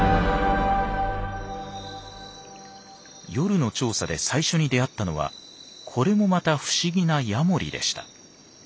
夜の調査で最初に出会ったのはこれもまた不思議なヤモリでした。